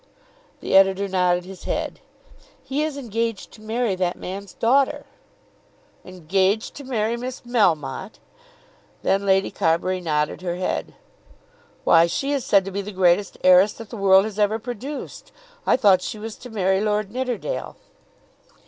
The editor nodded his head. "He is engaged to marry that man's daughter." "Engaged to marry Miss Melmotte?" Then Lady Carbury nodded her head. "Why, she is said to be the greatest heiress that the world has ever produced. I thought she was to marry Lord Nidderdale."